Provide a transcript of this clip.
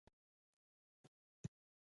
د کابل امیر مجاهدینو ته پیسې ورکولې.